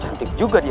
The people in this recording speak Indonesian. cantik juga dia